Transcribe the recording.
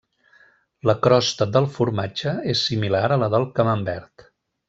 La crosta del formatge és similar a la del camembert.